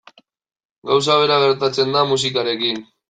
Gauza bera gertatzen da musikarekin.